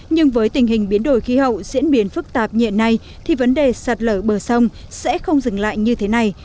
nhưng với tình hình biến đổi khí hậu diễn biến phức tạp nhiệt này thì vấn đề sạt lở bờ sông sẽ không dừng lại như thế này